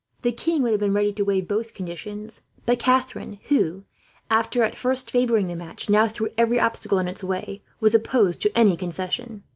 The king would have been ready to waive both conditions; but Catherine who, after at first favouring the match, now threw every obstacle in its way, was opposed to any conclusion.